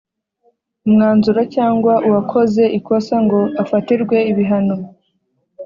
umwanzuro cyangwa uwakoze ikosa ngo afatirwe ibihano